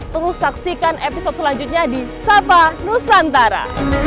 tunggu saksikan episode selanjutnya di sapa nusantara